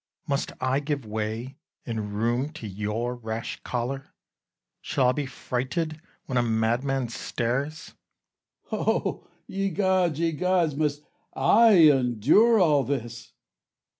Must I give way and room to your rash choler? Shall I be frighted when a madman stares? Cas. O ye gods, ye gods! must I endure all this?